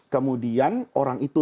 kemudian orang itu